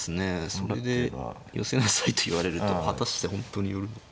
それで寄せなさいといわれると果たして本当に寄るのか。